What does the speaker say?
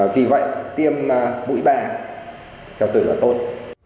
vì vậy tiêm mũi ba theo tôi là tốt